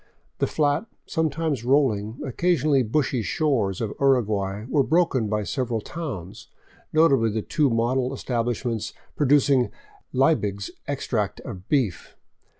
The flat, sometimes rolling, occasionally bushy shores of the Uruguay were broken by several towns, notably the two model establishments producing Leibig's ex tract of beef.